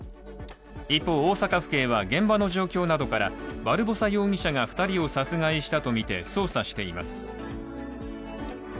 一方、大阪府警は現場の状況などからバルボサ容疑者が２人を殺害したとみて捜査しています。